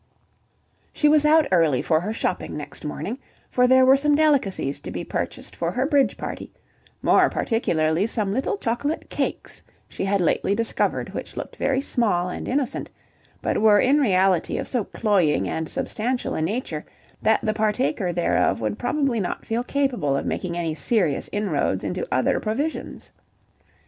... She was out early for her shopping next morning, for there were some delicacies to be purchased for her bridge party, more particularly some little chocolate cakes she had lately discovered which looked very small and innocent, but were in reality of so cloying and substantial a nature, that the partaker thereof would probably not feel capable of making any serious inroads into other provisions.